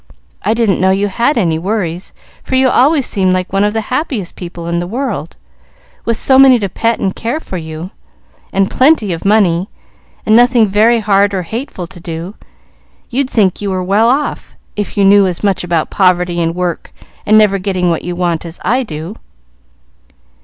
I didn't know you had any worries, for you always seemed like one of the happiest people in the world, with so many to pet and care for you, and plenty of money, and nothing very hard or hateful to do. You'd think you were well off if you knew as much about poverty and work and never getting what you want, as I do."